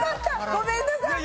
ごめんなさい！